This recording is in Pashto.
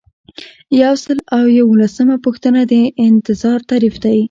یو سل او یوولسمه پوښتنه د انتظار تعریف دی.